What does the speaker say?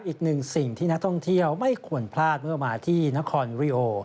อีกหนึ่งสิ่งที่นักท่องเที่ยวไม่ควรพลาดเมื่อมาที่นครริโอ